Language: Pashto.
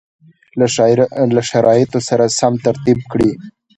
له شرایطو سره سم ترتیب کړي